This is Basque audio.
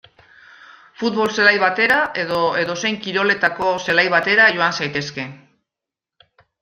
Futbol zelai batera edo edozein kiroletako zelai batera joan zaitezke.